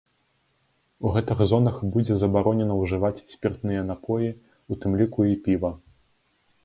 У гэтых зонах будзе забаронена ўжываць спіртныя напоі, у тым ліку і піва.